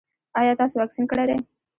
ایا تاسو واکسین کړی دی؟